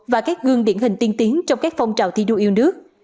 và các gương điển hình tiên tiến trong các phong trào thi đua yêu nước